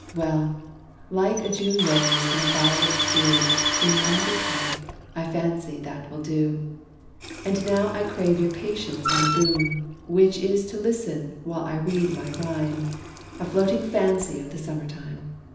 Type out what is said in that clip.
Well like a June rose and a violet blue In one bouquet! I fancy that will do. And now I crave your patience and a boon, Which is to listen, while I read my rhyme, A floating fancy of the summer time.